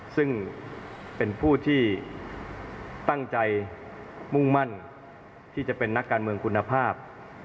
ซึ่งเป็นผู้ที่ตั้งใจมุ่งมั่นที่จะเป็นนักการเมืองคุณภาพ